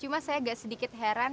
cuma saya agak sedikit heran